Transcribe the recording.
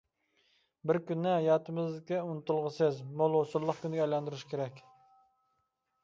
بىر كۈننى ھاياتىمىزدىكى ئۇنتۇلغۇسىز، مول ھوسۇللۇق كۈنگە ئايلاندۇرۇش كېرەك.